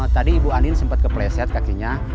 tadi ibu andin sempat kepleset kakinya